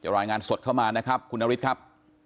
รายงานสดเข้ามานะครับคุณนฤทธิ์ครับ